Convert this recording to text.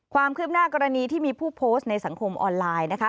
ความคืบหน้ากรณีที่มีผู้โพสต์ในสังคมออนไลน์นะคะ